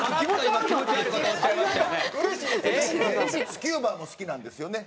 スキューバも好きなんですよね？